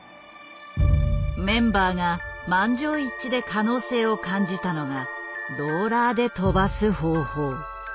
メンバーが満場一致で可能性を感じたのがローラーで跳ばす方法。